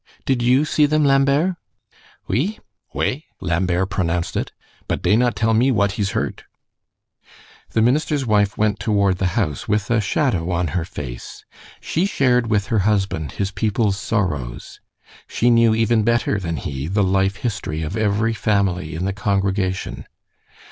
Did you see them, Lambert?" "Oui" ("Way," Lambert pronounced it), "but dey not tell me what he's hurt." The minister's wife went toward the house, with a shadow on her face. She shared with her husband his people's sorrows. She knew even better than he the life history of every family in the congregation.